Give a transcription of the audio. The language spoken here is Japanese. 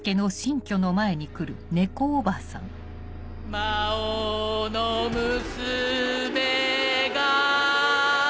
魔王の娘が